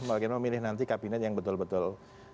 makin memilih nanti kabinet yang betul betul